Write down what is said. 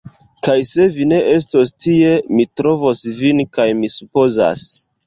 Kaj se vi ne estos tie, mi trovos vin kaj mi supozas